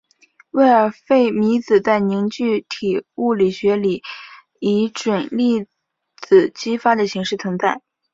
魏尔费米子在凝聚体物理学里以准粒子激发的形式存在。